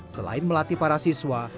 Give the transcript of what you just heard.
selain melatih para siswa